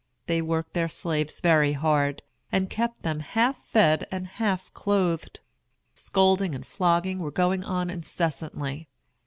They worked their slaves very hard, and kept them half fed and half clothed. Scolding and flogging were going on incessantly.